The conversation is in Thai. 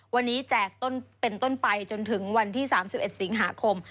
วันนี้แจกต้นเป็นต้นไปจนถึงวันที่๓๑สิงหาคม